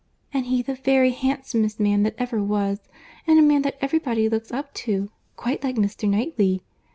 And he, the very handsomest man that ever was, and a man that every body looks up to, quite like Mr. Knightley!